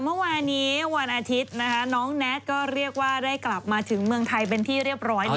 เมื่อวานี้วันอาทิตย์นะคะน้องแน็ตก็เรียกว่าได้กลับมาถึงเมืองไทยเป็นที่เรียบร้อยแล้ว